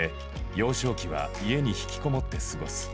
幼少期は家に引きこもって過ごす。